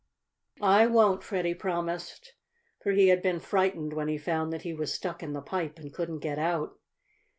"I won't," Freddie promised, for he had been frightened when he found that he was stuck in the pipe and couldn't get out.